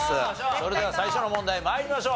それでは最初の問題参りましょう。